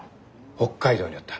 北海道におった。